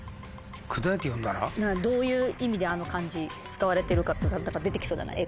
どういう意味であの漢字使われてるかって出て来そうじゃない？